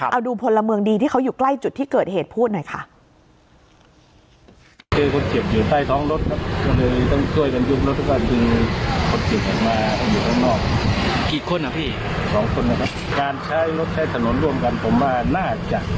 เอาดูพลเมืองดีที่เขาอยู่ใกล้จุดที่เกิดเหตุพูดหน่อยค่ะ